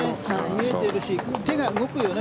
見えているし手が動くよね